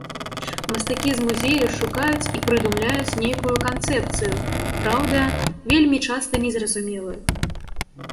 Мастакі з музею шукаюць і прыдумляюць нейкую канцэпцыю, праўда, вельмі часта незразумелую.